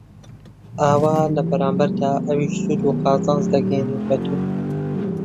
ئەوا لە بەرامبەردا ئەویش سوود و قازانج دەگەیەنێت بەتۆ